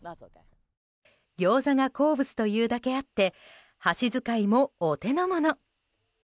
ギョーザが好物というだけあって箸遣いもお手の物。